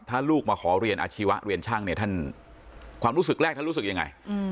ถ้าลูกมาขอเรียนอาชีวะเรียนช่างเนี่ยท่านความรู้สึกแรกท่านรู้สึกยังไง